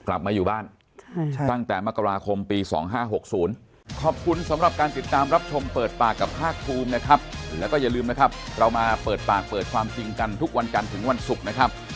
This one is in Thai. กลับมาอยู่บ้านใช่ครับตั้งแต่มกราคมปี๒๕๖๐